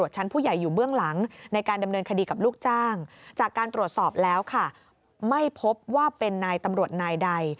จากการตรวจสอบแล้วค่ะไม่พบว่าเป็นนายตำรวจนายใด